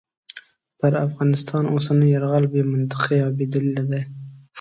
پر افغانستان اوسنی یرغل بې منطقې او بې دلیله دی.